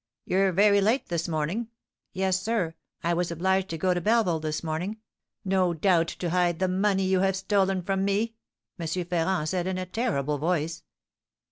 'You're very late this morning.' 'Yes, sir; I was obliged to go to Belleville this morning.' 'No doubt to hide the money you have stolen from me!' M. Ferrand said, in a terrible voice."